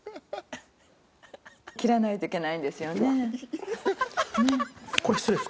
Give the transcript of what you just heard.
切らないといけないんですよね。